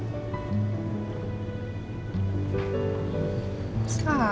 jadi cuman mau agak gila